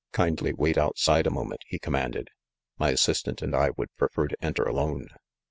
"Kindly wait outside a moment," he commanded. "My assistant and I would prefer to enter alone.